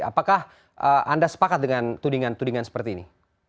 apakah anda sepakat dengan tudingan tudingan seperti ini